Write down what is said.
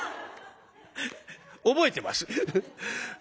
覚えてます。